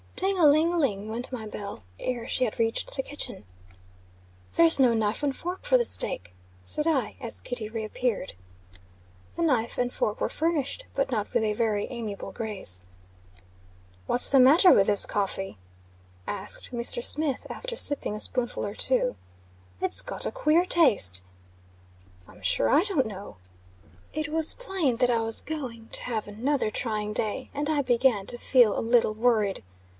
Ting a ling a ling, went my bell, ere she had reached the kitchen. "There's no knife and fork for the steak," said I, as Kitty re appeared. The knife and fork were furnished, but not with a very amiable grace. "What's the matter with this coffee?" asked Mr. Smith, after sipping a spoonful or two. "It's got a queer taste." "I'm sure I don't know." It was plain that I was going to have another trying day; and I began to feel a little worried.